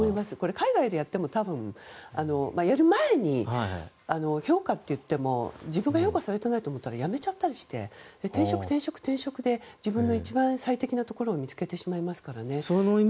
海外でやっても多分、やる前に評価っていっても、自分が評価されていないと思ったら辞めちゃったりして転職、転職で自分の一番最適なところを見つけてしまいますからね。